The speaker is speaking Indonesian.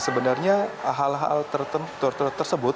sebenarnya hal hal tersebut